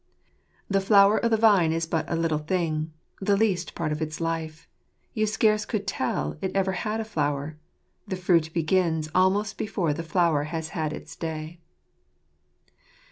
" The flower of the vine is but a little thing, The least part of its life. You scarce could tell It ever had a flower ; the fruit begins Almost before the flower has had its day."